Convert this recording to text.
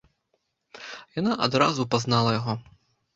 Яна адразу пазнала яго.